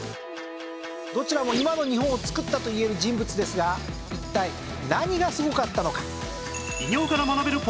どちらも今の日本をつくったといえる人物ですが一体何がすごかったのか？